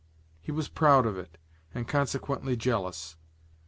He was proud of it, and consequently jealous.